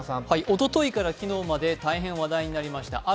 おとといから昨日まで大変話題になりました